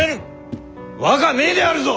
我が命であるぞ！